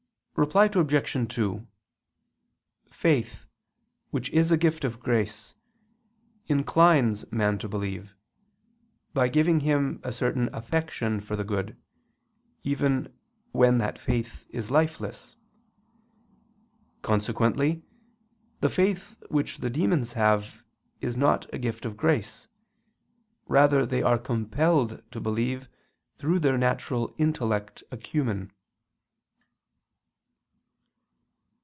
Reply Obj. 2: Faith, which is a gift of grace, inclines man to believe, by giving him a certain affection for the good, even when that faith is lifeless. Consequently the faith which the demons have, is not a gift of grace. Rather are they compelled to believe through their natural intellectual acumen.